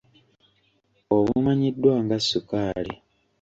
Obumanyiddwa nga sukaali.